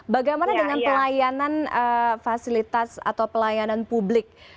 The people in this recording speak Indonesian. bagaimana dengan pelayanan fasilitas atau pelayanan publik